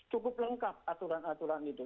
cukup lengkap aturan aturan itu